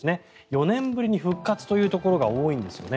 ４年ぶりに復活というところが多いんですよね。